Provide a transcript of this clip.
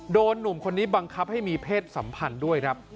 หนุ่มคนนี้บังคับให้มีเพศสัมพันธ์ด้วยครับ